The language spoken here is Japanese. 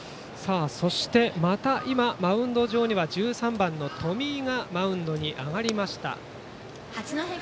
また今、マウンド上には１３番の冨井がマウンドに上がりました。